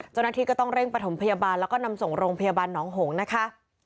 เจ้าหน้าที่ก็ต้องเร่งประถมพยาบาลแล้วก็นำส่งโรงพยาบาลหนองหงนะคะ